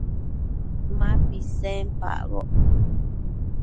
Ma utsi pisenpacboc